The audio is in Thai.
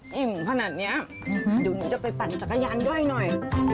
หยิ่มขนาดนี้เดี๋ยวหนูจะไปตันสักยานด้วยหน่อย